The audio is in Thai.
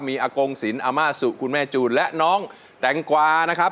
มีอากงศิลปอาม่าสุคุณแม่จูนและน้องแตงกวานะครับ